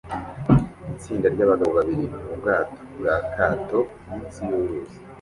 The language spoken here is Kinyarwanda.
Itsinda ry'abagabo bari mu bwato bwa kato munsi y'uruzi